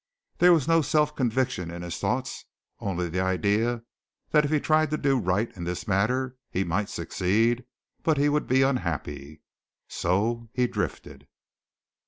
There was no self conviction in his thoughts, only the idea that if he tried to do right in this matter he might succeed, but he would be unhappy. So he drifted.